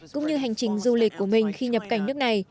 cũng như hành trình du lịch của mình khi nhập cảnh nước này